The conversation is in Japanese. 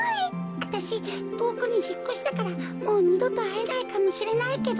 わたしとおくにひっこしたからもうにどとあえないかもしれないけど。